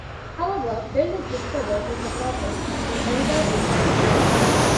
However, Bel is discovered in the process, and the elder exiles them.